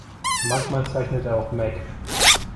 Manchmal zeichnet er auch Mech.